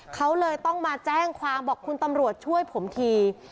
เขาเลยต้องมาแจ้งความบอกคุณตำรวจช่วยผมที